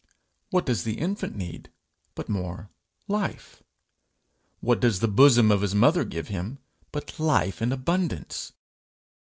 What does the infant need but more life? What does the bosom of his mother give him but life in abundance?